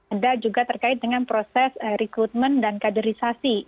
ada juga terkait dengan proses rekrutmen dan kaderisasi